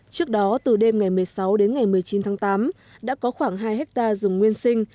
trước đó từ đêm ngày một mươi sáu đến ngày một mươi chín tháng tám đã có khoảng hai hectare rừng nguyên sinh